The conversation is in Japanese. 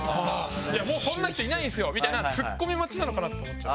「もうそんな人いないんすよ」みたいなツッコミ待ちなのかなって思っちゃう。